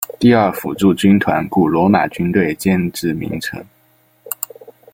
第二辅助军团古罗马军队建制名称。